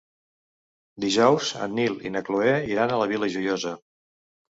Dijous en Nil i na Cloè iran a la Vila Joiosa.